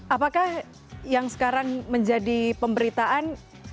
apakah yang sekarang menjadi pemberitaan